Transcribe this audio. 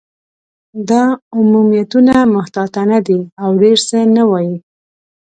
دا عمومیتونه محتاطانه دي، او ډېر څه نه وايي.